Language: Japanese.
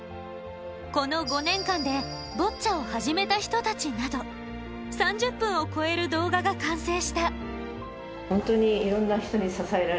この５年間でボッチャを始めた人たちなど３０分を超える動画が完成した。